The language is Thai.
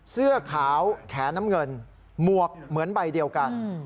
เสื้อขาวแขนน้ำเงินหมวกเหมือนใบเดียวกัน